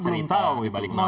betul kita belum tahu